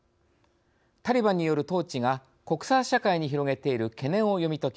タリバンによる統治が国際社会に広げている懸念を読み解き